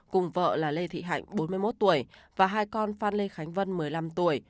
cùng vợ là lê thị hạnh bốn mươi một tuổi và hai con phan lê khánh vân một mươi năm tuổi